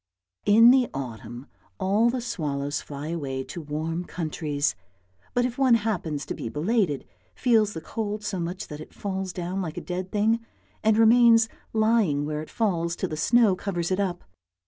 In the autumn all the swallows fly away to warm countries, but if one happens to be belated, feels the cold so much that it falls down like a dead thing, and remains lying where it falls till the snow covers it up.